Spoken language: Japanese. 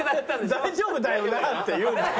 「大丈夫だよな？」って言うなよ。